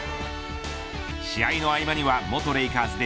試合の合間には元レイカーズで